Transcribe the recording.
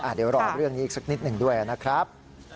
เดี๋ยวรอเรื่องนี้อีกสักนิดหนึ่งด้วยนะครับ